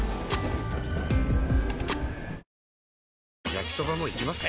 焼きソバもいきます？